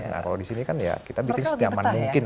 nah kalau di sini kan ya kita bikin senyaman mungkin